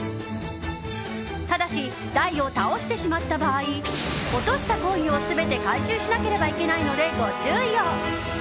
ただし台を倒してしまった場合落としたコインを全て回収しなければいけないのでご注意を。